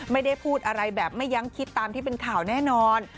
ไม่ได้พูดอะไรแบบไม่ยั้งคิดตามที่เป็นข่าวแน่นอน